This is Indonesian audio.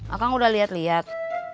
akang udah lihat lihat